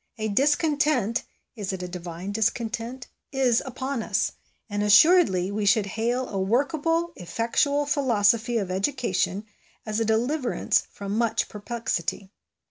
A discontent, is it a divine discontent ? is upon us ; and assuredly we should hail a workable, effectual philosophy of education as a deliverance from much perplexity.